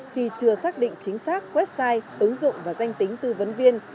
khi chưa xác định chính xác website ứng dụng và danh tính tư vấn viên